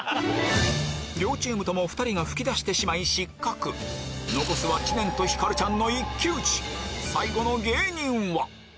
両チームとも２人が吹き出してしまい失格残すは知念とひかるちゃん最後の芸人は？